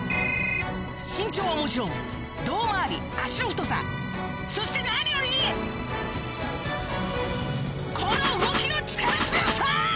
身長はもちろん胴回り足の太さそして何よりこの動きの力強さ！